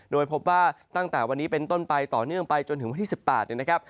โดยพบว่าตั้งแต่วันนี้เป็นต้นไปต่อเนื่องไปจนถึงวันที่๑๘นะครับ